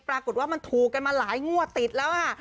ปรากฏว่ามันถูกกันมาหลายงวดติดแล้วค่ะ